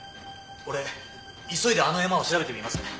俺急いであの絵馬を調べてみますね。